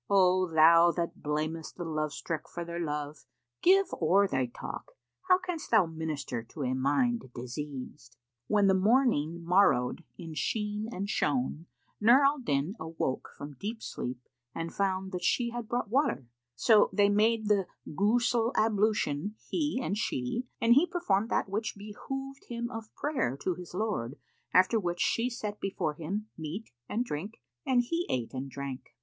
Oh! thou that blamest The love struck for their love, give o'er thy talk How canst thou minister to a mind diseased?" When the morning morrowed in sheen and shone, Nur al Din awoke from deep sleep and found that she had brought water:[FN#484] so they made the Ghusl ablution, he and she, and he performed that which behoved him of prayer to his Lord, after which she set before him meat and drink, and he ate and drank.